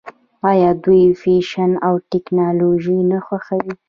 آیا دوی فیشن او ټیکنالوژي نه خوښوي؟